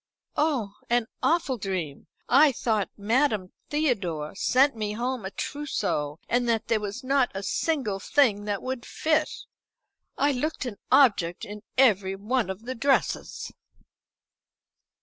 "Oh, an awful dream. I thought Madame Theodore sent me home a trousseau and that there was not a single thing that would fit. I looked an object in every one of the dresses."